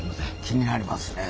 気になりますね。